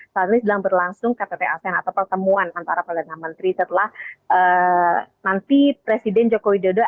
saat ini sedang berlangsung ktt asean atau pertemuan antara perdana menteri setelah nanti presiden joko widodo